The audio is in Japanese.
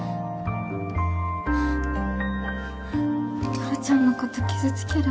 ころちゃんのこと傷つける